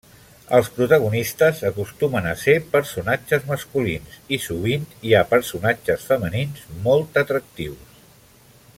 Els protagonistes acostumen a ser personatges masculins i sovint hi ha personatges femenins molt atractius.